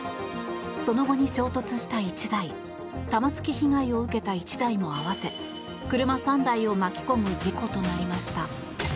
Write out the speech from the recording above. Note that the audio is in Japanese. その後に衝突した１台玉突き被害を受けた１台も合わせ車３台を巻き込む事故となりました。